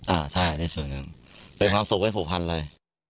อ่าใช่นี่แสดงเป็นความสุขให้ผู้พันเลย